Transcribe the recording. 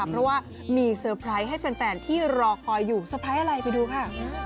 เพราะว่ามีเซอร์ไพรส์ให้แฟนที่รอคอยอยู่เตอร์ไพรส์อะไรไปดูค่ะ